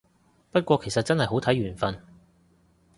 不過其實真係好睇緣份